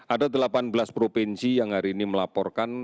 ada delapan belas provinsi yang hari ini melaporkan